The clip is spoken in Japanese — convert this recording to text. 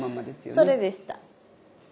それでした。